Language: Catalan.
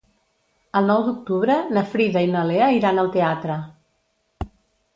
El nou d'octubre na Frida i na Lea iran al teatre.